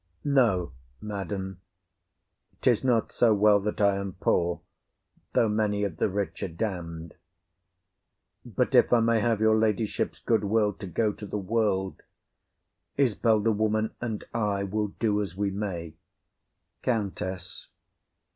No, madam, 'tis not so well that I am poor, though many of the rich are damned; but if I may have your ladyship's good will to go to the world, Isbel the woman and I will do as we may. COUNTESS.